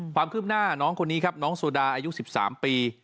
ความคืบหน้าน้องคนนี้ครับน้องโซดาอายุ๑๓ปี